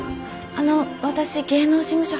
あの私芸能事務所